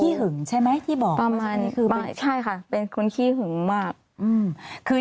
คี่หึงใช่ไหมที่บอกประมาณนี้คือใช่ค่ะเป็นคุณคี่หึงมาก